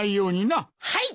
はい！